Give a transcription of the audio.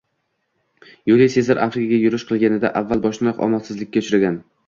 Yuliy Sezar Afrikaga yurish qilganida, avval boshdanoq omadsizlikka uchragan